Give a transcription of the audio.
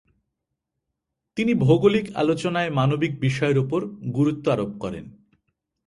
তিনি ভৌগোলিক আলোচনায় মানবিক বিষয়ের উপর গুরুত্ব আরোপ করেন।